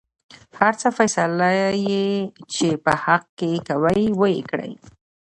هر څه فيصله يې چې په حق کې کوۍ وېې کړۍ.